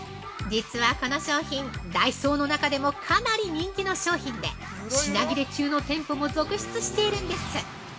◆実はこの商品、ダイソーの中でもかなり人気商品で品切れ中の店舗も続出しているんです。